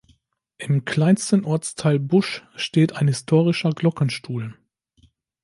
Im kleinsten Ortsteil Busch steht ein historischer Glockenstuhl.